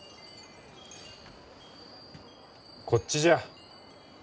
こっちじゃ。